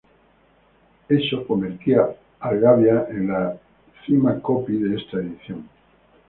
Eso convertía al Gavia en la Cima Coppi de esta edición.